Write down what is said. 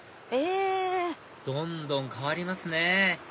どんどん変わりますね